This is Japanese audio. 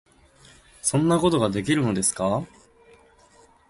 「そんなことができるのですか？」